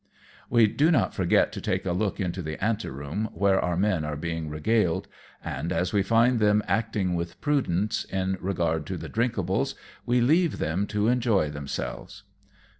We do not forget to take a look into the ante room, where our men are being regaled, and as we find them LAND IN A GALE AT CAREERffS. 275 acting with prudence in regard to the drinkables, we leave them to enjoy themselves.